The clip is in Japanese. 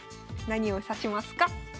何を指しますか？